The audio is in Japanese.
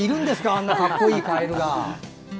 あんな格好いいカエルが。